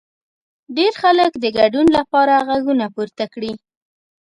ډېر خلک د ګډون لپاره غږونه پورته کړي.